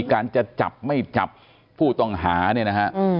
การจะจับไม่จับผู้ต้องหาเนี่ยนะฮะ